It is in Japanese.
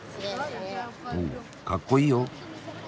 おかっこいいよ。